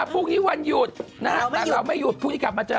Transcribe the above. พรุ่งนี้วันหยุดนะฮะแต่เราไม่หยุดพรุ่งนี้กลับมาเจอ